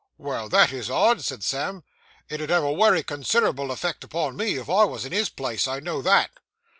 Well, that is odd,' said Sam; 'it 'ud have a wery considerable effect upon me, if I wos in his place; I know that.